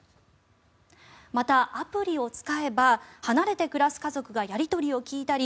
また、アプリを使えば離れて暮らす家族がやり取りを聞いたり